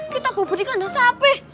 kita bubur di kelantan sapi